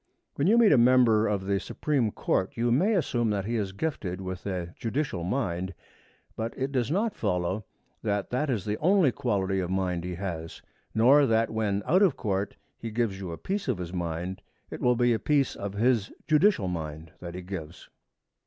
When you meet a member of the Supreme Court you may assume that he is gifted with a judicial mind. But it does not follow that that is the only quality of mind he has; nor that when, out of court, he gives you a piece of his mind, it will be a piece of his judicial mind that he gives.